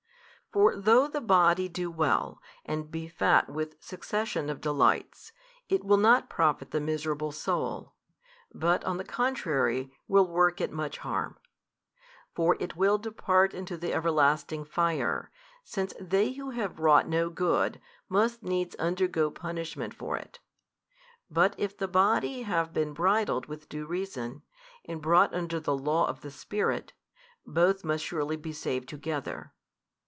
For though the body do well, and be fat with succession of delights, it will not profit the miserable soul; but on the contrary, will work it much harm. For it will depart into the everlasting fire, since they who have wrought no good, must needs undergo punishment for it: but if the body |347 have been bridled with due reason, and brought under the law of the Spirit, both must surely be saved together.